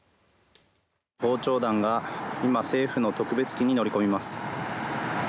訪朝団が今、政府の特別機に乗り込みます。